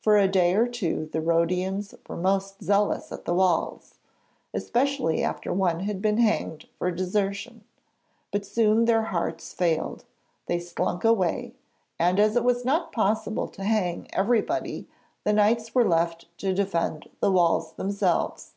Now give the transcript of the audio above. For a day or two the Rhodians were most zealous at the walls especially after one had been hanged for desertion but soon their hearts failed; they slunk away, and as it was not possible to hang everybody the Knights were left to defend the walls themselves.